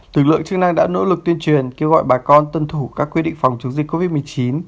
lực lượng chức năng đã nỗ lực tuyên truyền kêu gọi bà con tuân thủ các quy định phòng chống dịch covid một mươi chín